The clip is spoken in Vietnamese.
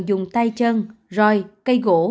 dùng tay chân roi cây gỗ